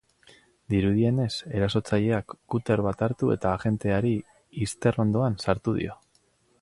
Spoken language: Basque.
Dirudienez, erasotzaileak kuter bat hartu eta agenteari izterrondoan sartu dio.